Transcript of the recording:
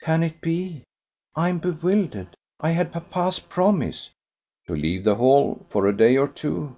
"Can it be? I am bewildered. I had papa's promise." "To leave the Hall for a day or two."